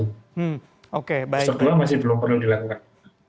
booster kedua masih belum perlu dilakukan